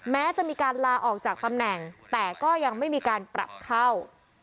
แม้จะมีการลาออกจากตำแหน่งแต่ก็ยังไม่มีการปรับเข้า